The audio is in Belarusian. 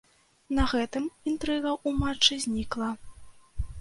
На гэтым інтрыга ў матчы знікла.